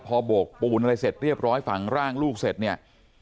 พอโบกปูนอะไรเสร็จเรียบร้อยฝังร่างลูกเสร็จเนี่ย